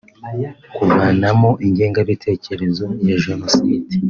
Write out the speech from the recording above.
kubavanamo ingengabitekerezo ya Jenoside